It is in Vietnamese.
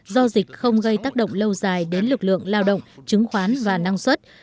do dịch không gây tác động lâu dài đến lực lượng lao động chứng khoán và năng suất